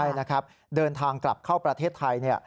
ใช่นะครับเดินทางกลับเข้าประเทศไทย